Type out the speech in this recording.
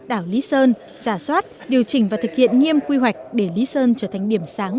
đảo lý sơn giả soát điều chỉnh và thực hiện nghiêm quy hoạch để lý sơn trở thành điểm sáng